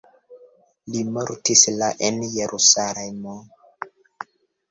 Li mortis la en Jerusalemo.